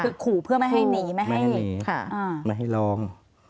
คือขู่เพื่อไม่ให้หนีไม่ให้ร้อง